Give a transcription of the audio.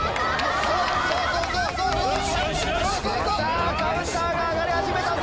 さぁカウンターが上がり始めたぞ！